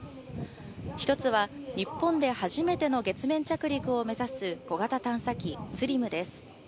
１つは日本で初めての月面着陸を目指す小型探査機ＳＬＩＭです。